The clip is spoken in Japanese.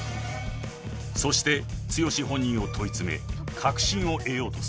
［そして剛本人を問い詰め確信を得ようとする］